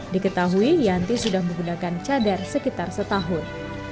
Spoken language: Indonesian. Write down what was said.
diketahui yanti sudah menggunakan cadar sekitar setahun